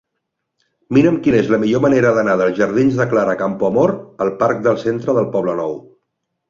Mira'm quina és la millor manera d'anar dels jardins de Clara Campoamor al parc del Centre del Poblenou.